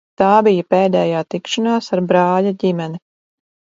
Tā bija pēdējā tikšanās ar brāļa ģimeni.